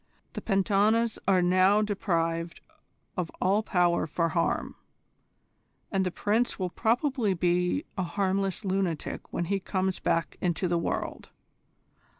The Pentanas are now deprived of all power for harm, and the Prince will probably be a harmless lunatic when he comes back into the world.